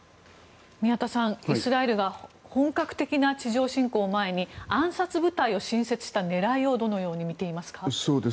宮田さん、イスラエルが本格的な地上侵攻を前に暗殺部隊を新設した狙いをどのように見ていますか？